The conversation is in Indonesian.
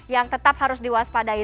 yang tetap harus diwaspadai